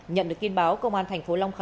nhận được tin báo công an tp hcm